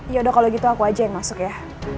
yaudah kalau gitu aku aja yang masuk ya